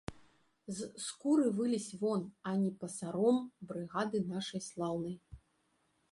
З скуры вылезь вон, а не пасаром брыгады нашай слаўнай.